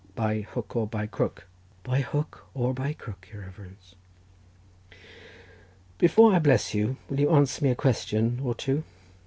"By hook or by crook?" "By hook or by crook, your reverence." "Before I bless you, will you answer me a question or two?"